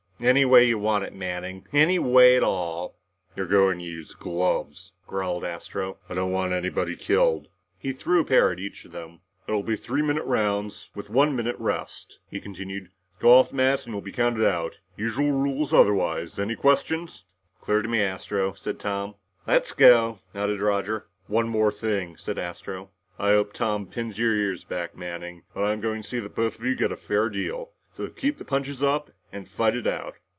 "Any way you want it, Manning. Any way at all," said Tom. "You're going to use gloves," growled Astro. "I don't want anybody killed." He threw a pair at each of them. "There'll be three minute rounds, with one minute rest," he continued. "Go off the mats and you'll be counted out. Usual rules otherwise. Any questions?" "Clear to me, Astro," said Tom. "Let's go," nodded Roger. "One more thing," said Astro. "I hope Tom pins your ears back, Manning. But I'm going to see that both of you get a fair deal. So keep the punches up and fight it out.